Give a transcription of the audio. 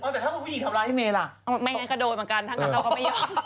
อ้าวแต่ถ้าผู้หญิงทำร้ายให้เมล่า